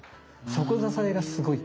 底支えがすごい。